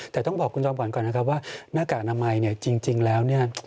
แต่ต้องบอกคุณจอมขวัญก่อนนะครับว่าหน้ากากอนามัยเนี่ยจริงแล้วเนี่ย